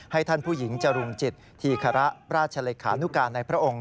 ให้ท่านผู้หญิงจรุงจิตธีคระราชเลขานุการในพระองค์